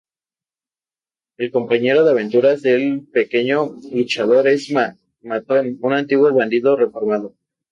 El compañero de aventuras del "Pequeño Luchador" es Matón, un antiguo bandido reformado.